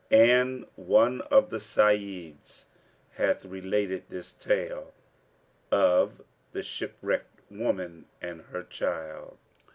And one of the Sayyids[FN#466] hath related this tale of THE SHIPWRECKED WOMAN AND HER CHILD.